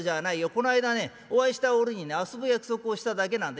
この間ねお会いした折にね遊ぶ約束をしただけなんだ」。